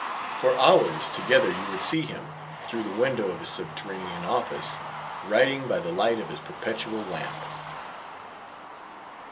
For hours together you would see him, through the window of his subterranean office, writing by the light of his perpetual lamp.